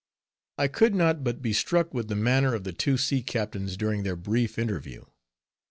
I could not but be struck with the manner of the two sea captains during their brief interview.